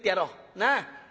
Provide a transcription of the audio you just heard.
なあ。